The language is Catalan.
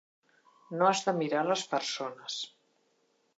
No has de mirar les persones.